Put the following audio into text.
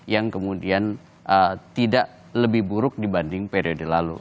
yang kemudian tidak lebih buruk dibanding periode lalu